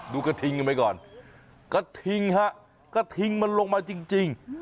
ดูกระทิงไหมก่อนกระทิงมันลงมาจริง